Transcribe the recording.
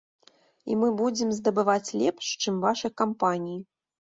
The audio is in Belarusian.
І мы будзем здабываць лепш, чым вашы кампаніі.